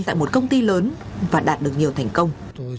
tại một công ty lớn và đạt được nhiều thành công